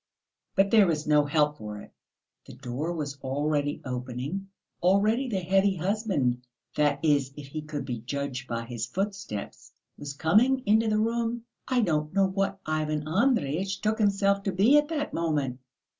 But there was no help for it. The door was already opening, already the heavy husband, that is if he could be judged by his footsteps, was coming into the room.... I don't know what Ivan Andreyitch took himself to be at that moment!